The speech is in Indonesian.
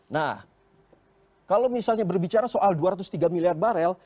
nah kalau misalnya berbicara soal dua ratus tiga miliar barel